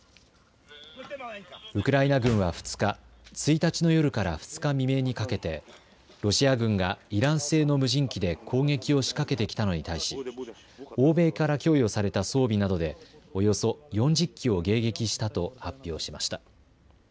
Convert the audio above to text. ウクライナ軍は２日、１日の夜から２日未明にかけて、ロシア軍がイラン製の無人機で攻撃を仕掛けてきたのに対し、欧米から供与された装備などでおよそ４０機を迎撃したと発表しました。